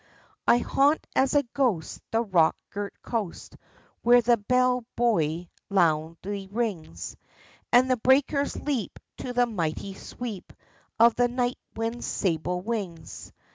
I haunt as a ghost the rock girt coast Where the bell buo}^ loudly rings And the breakers leap to the mighty sweep Of the night wind's sable wings.